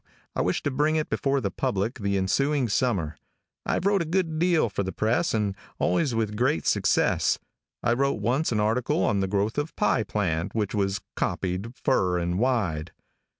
I wish to bring it before the public the ensuing summer. I have wrote a good deal for the press, and always with great success. I wrote once an article on the growth of pie plant wich was copied fur and wide.